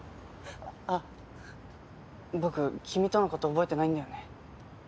あっ僕君との事覚えてないんだよね。